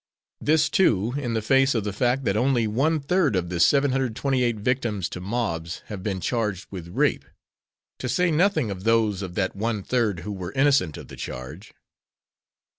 This, too, in the face of the fact that only one third of the 728 victims to mobs have been charged with rape, to say nothing of those of that one third who were innocent of the charge.